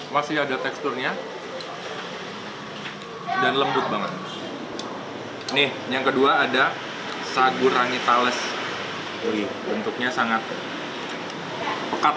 masih ada teksturnya dan lembut banget nih yang kedua ada sagu rangi tales bentuknya sangat pekat